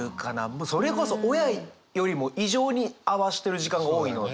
それこそ親よりも異常にあわしてる時間が多いので。